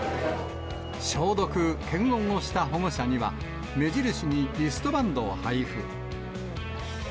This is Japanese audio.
消毒、検温をした保護者には、目印にリストバンドを配布。